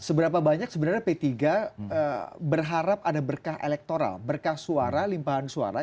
seberapa banyak sebenarnya p tiga berharap ada berkah elektoral berkah suara limpahan suara